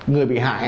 người bị hại